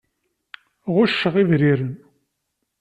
Ɣucceɣ ibriren.